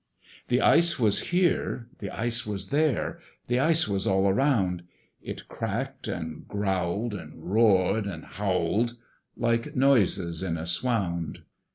The ice was here, the ice was there, The ice was all around: It cracked and growled, and roared and howled, Like noises in a swound!